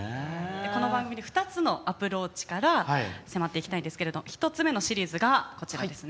この番組２つのアプローチから迫っていきたいんですけど１つ目のシリーズが。